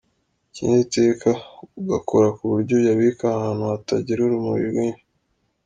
Ikindi iteka ugakora ku buryo uyabika ahantu hatagera urumuri rwinshi.